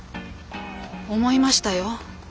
思いましたよ